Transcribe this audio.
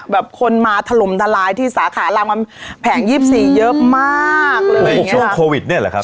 แบบคนมาถลมทรายอยู่ที่สาขารับแผง๒๔เยอะมากโควิดนี่แหละครับ